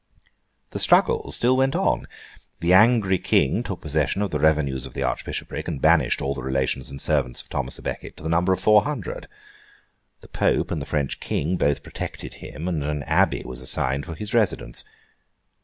The struggle still went on. The angry King took possession of the revenues of the archbishopric, and banished all the relations and servants of Thomas à Becket, to the number of four hundred. The Pope and the French King both protected him, and an abbey was assigned for his residence.